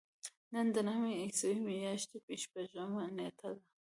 نن د نهمې عیسوي میاشتې شپږمه نېټه ده.